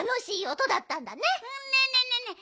ねえねえねえねえ